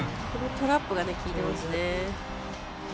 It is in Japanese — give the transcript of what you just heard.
トラップがきいてますね。